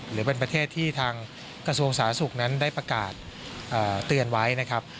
หรือเป็นประเทศที่ทางกระทรวงสาธารณสุขนั้นได้ประกาศเตือนไว้นะครับ